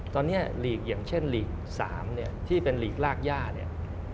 ตอนนี้ลีกอย่างเช่นลีก๓ที่เป็นลีกรากญาติ